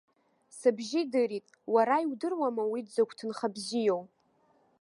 Сыбжьы идырит, уара иудыруама уи дзакә ҭынха бзиоу!